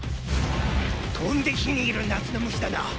飛んで火に入る夏の虫だな。